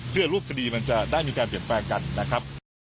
เพื่อรูปคดีมันจะได้มีการเปลี่ยนแปลงกันนะครับ